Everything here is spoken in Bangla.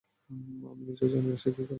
আমি নিজেও জানিনা সে কী করবে।